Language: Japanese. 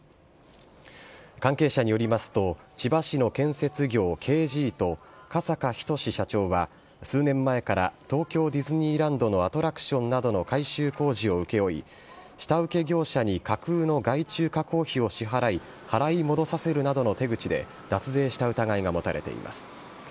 関係者によりますと、千葉市の建設業、Ｋ．Ｇと加坂斉社長は、数年前から東京ディズニーランドのアトラクションなどの改修工事を請け負い、下請け業者に架空の外注加工費を支払い、払い戻させるなどの手口で、脱税した疑いが持たれています。